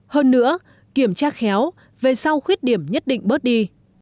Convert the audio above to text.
hơn nữa kiểm tra khéo về sau khuyết điểm nhất định bớt đi